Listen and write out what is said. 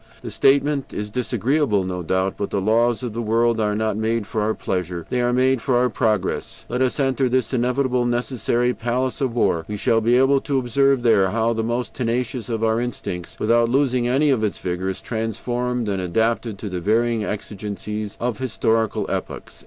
The statement is disagreeable, no doubt; but the laws of the world are not made for our pleasure, they are made for our progress. Let us enter this inevitable, necessary palace of war; we shall be able to observe there how the most tenacious of our instincts, without losing any of its vigor, is transformed and adapted to the varying exigencies of historical epochs."